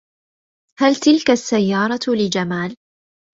هل تلك السيارة لجمال؟